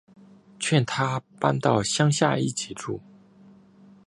劝他搬到乡下一起住